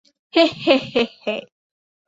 হে, হে, হে, হে।